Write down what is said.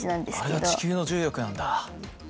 あれが地球の重力なんだ。